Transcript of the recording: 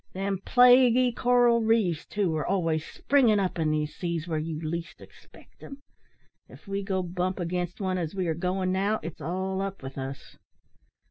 Them plaguey coral reefs, too, are always springin' up in these seas where you least expect 'em. If we go bump against one as we are goin' now, its all up with us."